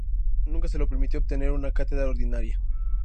Nunca se le permitió obtener una cátedra ordinaria.